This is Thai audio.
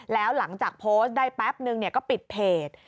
แล้วหลังจากโพสต์ได้แป๊บนึงก็ปิดเพจ